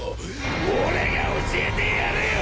俺が教えてやるよ！